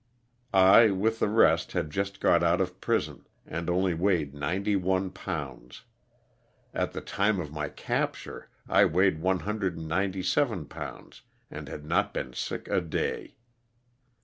I, with the rest, had just got out of prison, and only weighed ninety one pounds. At the time of my capture I weighed one hundred and ninety seven (107) pounds and had not been sick a day.